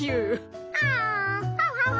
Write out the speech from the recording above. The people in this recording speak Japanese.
アハハハ。